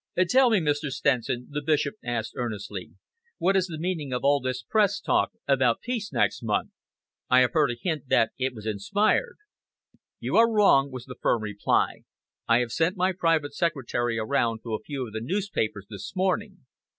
"Tell me, Mr. Stenson," the Bishop asked earnestly, "what is the meaning of all this Press talk, about peace next month? I have heard a hint that it was inspired." "You are wrong," was the firm reply. "I have sent my private secretary around to a few of the newspapers this morning.